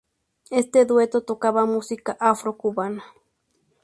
Este dueto tocaba música afro-cubana.